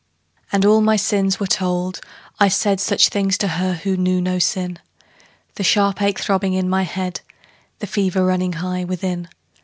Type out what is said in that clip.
And all my sins were told; I said Such things to her who knew not sin The sharp ache throbbing in my head, The fever running high within.